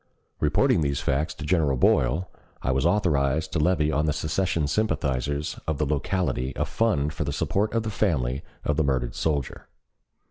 Reporting these facts to General Boyle, I was authorized to levy on the secession sympathizers of the locality a fund for the support of the family of the murdered soldier.